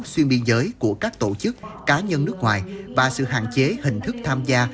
xuyên biên giới của các tổ chức cá nhân nước ngoài và sự hạn chế hình thức tham gia